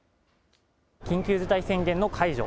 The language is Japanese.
緊急事態宣言の解除。